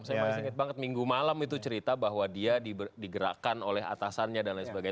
saya masih ingat banget minggu malam itu cerita bahwa dia digerakkan oleh atasannya dan lain sebagainya